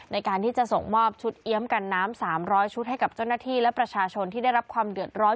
ในการที่จะส่งมอบชุดเอี๊ยมกันน้ำ๓๐๐ชุดให้กับเจ้าหน้าที่และประชาชนที่ได้รับความเดือดร้อน